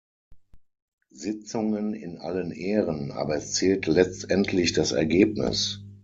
Sitzungen in allen Ehren, aber es zählt letztendlich das Ergebnis.